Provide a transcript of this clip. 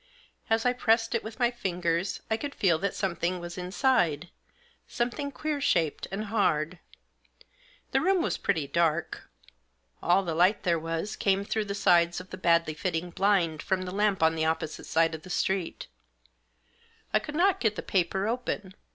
As I pressed it with my fingers, I could feel that something was inside, something queer shaped and hard. The room was Digitized by 24 THE JOSS. pretty dark. All the light there was came through the sides of the badly fitting blind from the lamp on the opposite side of the street I could not get the paper open.